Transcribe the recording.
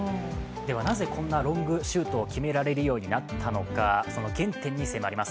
なぜこんなロングシュートを決められるようになったのかその原点に迫ります。